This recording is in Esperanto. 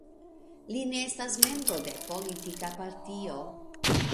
Li ne estas membro de politika partio.